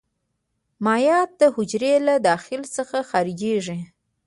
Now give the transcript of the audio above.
مایعات د حجرې له داخل څخه خارجيږي.